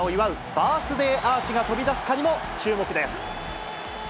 バースデーアーチが飛び出すかにも注目です。